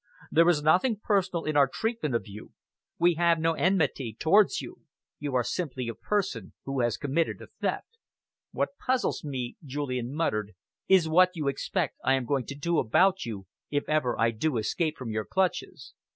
There is nothing personal in our treatment of you. We have no enmity towards you. You are simply a person who has committed a theft." "What puzzles me," Julian muttered, "is what you expect I am going to do about you, if ever I do escape from your clutches."